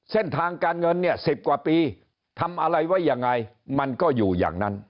เส้นทางการเงินเนี่ย๑๐กว่าปีทำอะไรไว้ยังไงมันก็อยู่อย่างนั้น